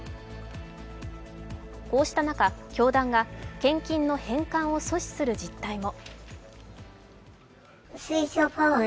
こうした中、教団が献金の返還を阻止する実態も。